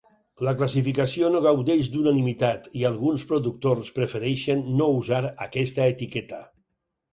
La classificació no gaudeix d'unanimitat i alguns productors prefereixen no usar aquesta etiqueta.